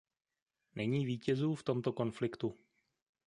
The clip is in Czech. Není vítězů v tomto konfliktu.